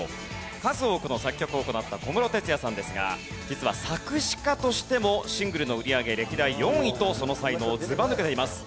数多くの作曲を行った小室哲哉さんですが実は作詞家としてもシングルの売り上げ歴代４位とその才能ずば抜けています。